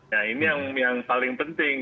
nah ini yang paling penting